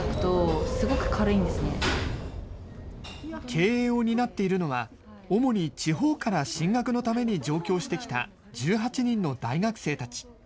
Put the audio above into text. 経営を担っているのは主に地方から進学のために上京してきた１８人の大学生たち。